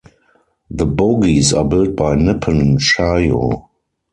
The bogies are built by Nippon Sharyo.